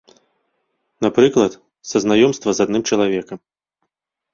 Напрыклад, са знаёмства з адным чалавекам.